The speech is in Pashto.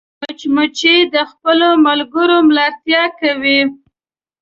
مچمچۍ د خپلو ملګرو ملاتړ کوي